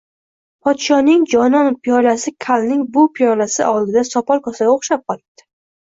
Podshoning jonon piyolasi kalning bu piyolasi oldida sopol kosaga o‘xshab qolibdi